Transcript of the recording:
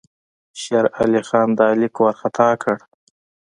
شېر علي خان دا لیک وارخطا کړ.